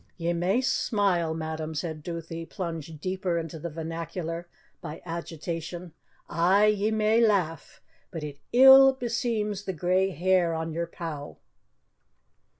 "Ye may smile, madam," said Duthie, plunged deeper into the vernacular by agitation, "ay, ye may lauch. But it ill beseems the grey hair on yer pow."